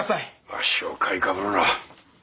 わしを買いかぶるな。